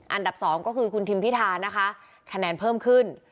อันดับ๒ก็คือคุณทิมพิธานะคะคะแนนเพิ่มขึ้น